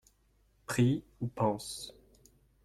Prie ou pense.